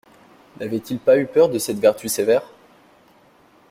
N'avait-il pas eu peur de cette vertu sévère?